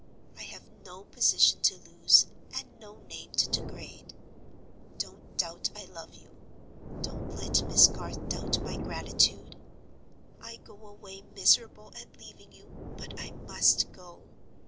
I have no position to lose, and no name to degrade. Don't doubt I love you—don't let Miss Garth doubt my gratitude. I go away miserable at leaving you; but I must go.